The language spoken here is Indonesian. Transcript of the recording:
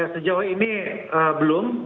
sejauh ini belum